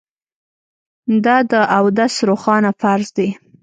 دا د اودس روښانه فرض دی